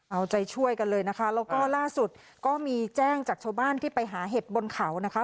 เอาใจช่วยกันเลยนะคะแล้วก็ล่าสุดก็มีแจ้งจากชาวบ้านที่ไปหาเห็ดบนเขานะคะ